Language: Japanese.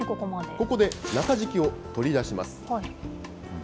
ここで中敷きを取り出します。